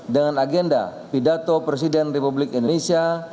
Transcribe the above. dengan agenda pidato presiden republik indonesia